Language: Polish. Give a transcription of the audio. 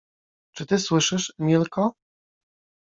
Czy ty słyszysz, Emilko?